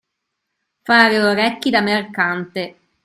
Fare orecchi da mercante.